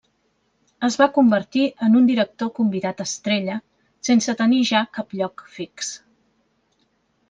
Es va convertir en un director convidat estrella, sense tenir ja cap lloc fix.